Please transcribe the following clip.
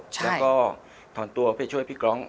แล้วก็ถอนตัวเพื่อช่วยพี่กร้อง